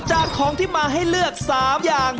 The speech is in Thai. จากของที่มาให้เลือก๓อย่าง